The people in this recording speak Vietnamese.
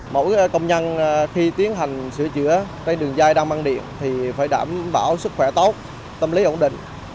mỗi công nhân khi tiến hành sửa chữa tranh đường dài đang băng điện thì phải đảm bảo sức khỏe tốt tâm lý ổn định